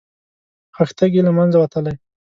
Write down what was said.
خښتګ یې له منځه وتلی.